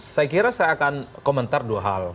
saya kira saya akan komentar dua hal